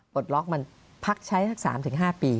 ปลดล็อกมันพักใช้สัก๓๕ปี